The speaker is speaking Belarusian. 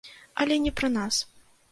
Але не пра нас.